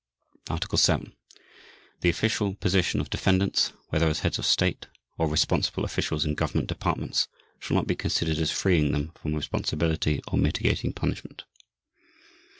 Article 7. The official position of defendants, whether as Heads of State or responsible officials in Government departments, shall not be considered as freeing them from responsibility or mitigating punishment.